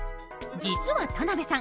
実は田辺さん